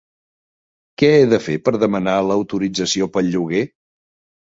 Que he de fer per demanar l'autorització pel lloguer?